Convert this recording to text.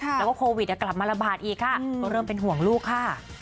แล้วก็โควิดกลับมาระบาดอีกค่ะก็เริ่มเป็นห่วงลูกค่ะ